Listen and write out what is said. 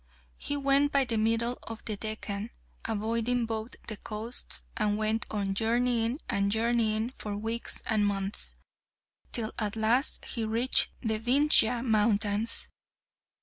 He went by the middle of the Deccan, avoiding both the coasts, and went on journeying and journeying for weeks and months, till at last he reached the Vindhya mountains.